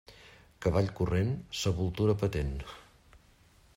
Cavall corrent, sepultura patent.